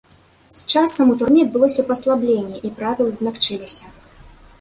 З часам у турме адбылося паслабленне і правілы змякчыліся.